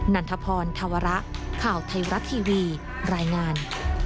ันทพรธวระข่าวไทยรัฐทีวีรายงาน